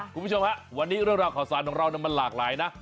คุณผู้ชมฮะวันนี้เรื่องราวข่าวสารของเรามันหลากหลายนะ